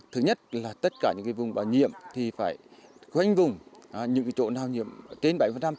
thứ nhất là tất cả những vùng bảo nhiệm thì phải quanh vùng những chỗ nào nhiệm kênh bảo nhiệm